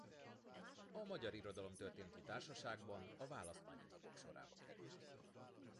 A Magyar Irodalomtörténeti Társaságban a választmányi tagok sorába került.